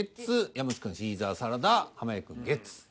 山内くん「シーザーサラダ」濱家くん「ゲッツ」。